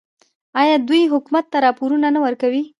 آیا دوی حکومت ته راپورونه نه ورکوي؟